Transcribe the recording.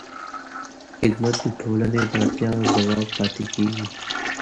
خدمت د ټولنې د اړتیاوو ځواب پاتې کېږي.